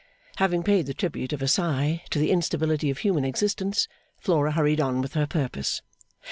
Having paid the tribute of a sigh to the instability of human existence, Flora hurried on with her purpose.